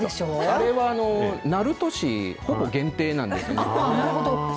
あれは鳴門市ほぼ限定なんですね。